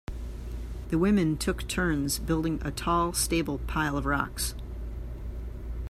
The women took turns building a tall stable pile of rocks.